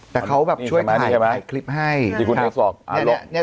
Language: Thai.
แต่เขาแบบช่วยถ่ายถ่ายคลิปให้ที่คุณทางสองอ่าเนี้ยเนี้ย